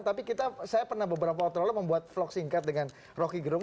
tapi saya pernah beberapa waktu lalu membuat vlog singkat dengan rocky gerung